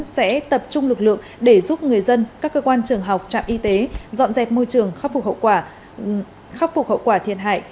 sẽ tập trung lực lượng để giúp người dân các cơ quan trường học trạm y tế dọn dẹp môi trường khắc phục hậu quả thiệt hại